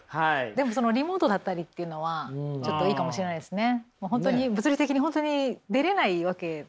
でもそのリモートだったりっていうのはちょっといいかもしれないですね。